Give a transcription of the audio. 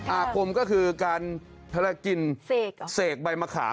อาคมก็คือการกินเสกใบมะขาม